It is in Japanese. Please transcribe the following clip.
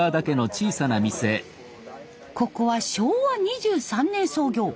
ここは昭和２３年創業。